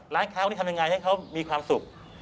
ร้านเขานี่ทำยังไงให้เขามีความสุข